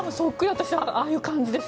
私、ああいう感じです。